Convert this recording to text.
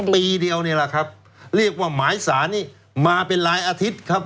ปีเดียวนี่แหละครับเรียกว่าหมายสารนี้มาเป็นรายอาทิตย์ครับ